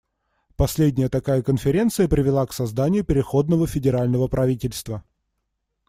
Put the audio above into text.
Последняя такая конференция привела к созданию переходного федерального правительства.